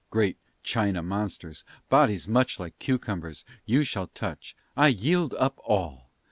Great China monsters bodies much Like cucumbers you all shall touch. I yield up all!